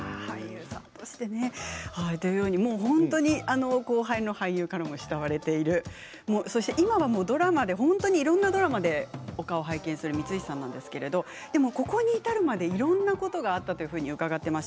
本当に後輩の俳優からも慕われているそして今ドラマでいろいろなドラマでお顔を拝見する光石さんなんですけれど、ここに至るまでいろいろなことがあったと伺っています。